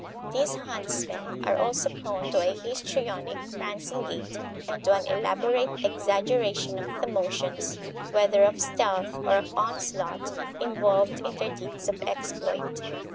These huntsmen are also prone to a histrionic, prancing gait and to an elaborate exaggeration of the motions, whether of stealth or of onslaught, involved in their deeds of exploit.